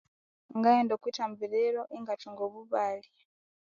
Ngaghenda okwi thambiririo ingathunga obubalya